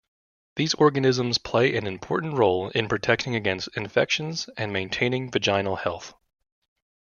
These organisms play an important role in protecting against infections and maintaining vaginal health.